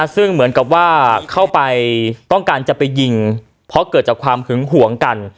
ซึ่งเหมือนกับว่าเข้าไปต้องการจะไปยิงเพราะเกิดจากความหึงหวงกัน